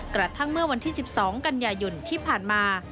กระทั่งเมื่อวันที่๑๒กันยายนที่ผ่านมา